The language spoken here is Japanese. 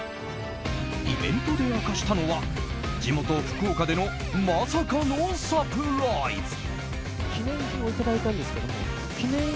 イベントで明かしたのは地元・福岡でのまさかのサプライズ。